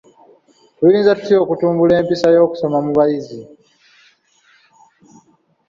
Tuyinza tutya okutumbula empisa y'okusoma mu bayizi?